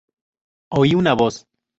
Oí una voz.